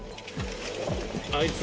あいつ。